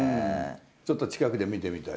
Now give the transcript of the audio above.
ちょっと近くで見てみたい？